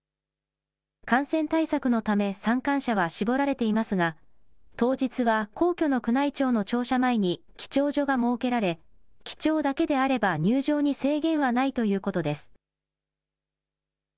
感染対策のため参観者は絞られていますが、当日は皇居の宮内庁の庁舎前に記帳所が設けられ、記帳だけであれば入場に制限はないということです。